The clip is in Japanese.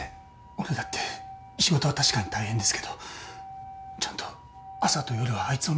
俺だって仕事は確かに大変ですけどちゃんと朝と夜はあいつを見てるつもりだったんです。